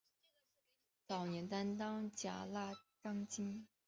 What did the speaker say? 早年担任甲喇章京。